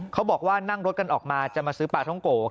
เขาบอกว่านั่งรถกันออกมาจะมาซื้อปลาท้องโก